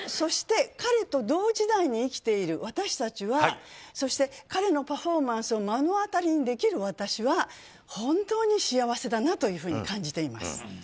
彼と同時代に生きている私たちはそして、彼のパフォーマンスを目の当たりにできる私は本当に幸せだなというふうに感じています。